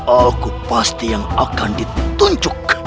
aku pasti yang akan ditunjuk